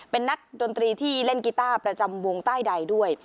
เป็นนักดนตรีที่เล่นกีต้าประจำวงใต้ใดด้วย